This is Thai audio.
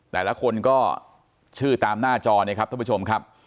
แต่ละคนก็ชื่อตามหน้าจอเนี่ยครับท่านผู้ชมครับ